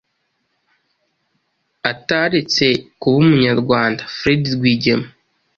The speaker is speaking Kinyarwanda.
Ataretse kuba Umunyarwanda, Fred Rwigema